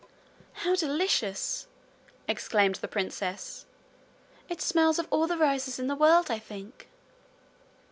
'How delicious!' exclaimed the princess. 'It smells of all the roses in the world, I think.'